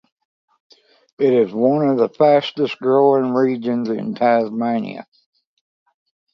It is one of the fastest growing regions in Tasmania.